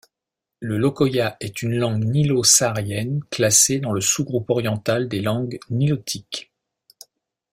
Le lokoya est une langue nilo-saharienne classée dans le sous-groupe oriental des langues nilotiques.